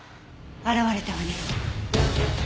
現れたわね。